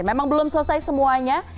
memang belum selesai semuanya